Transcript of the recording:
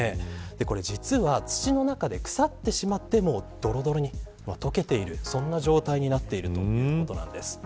実は、土の中で腐ってしまってどろどろに溶けているそんな状態になっているということです。